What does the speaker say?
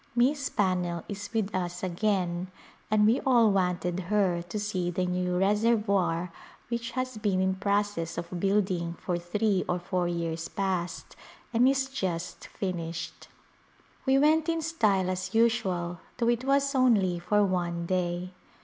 Miss Pannell is with us again and we all wanted her to see the new reservoir which has been in process of building for three or four years past and is just finished. We went in style as usual though it was only for one day.